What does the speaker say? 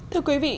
thưa quý vị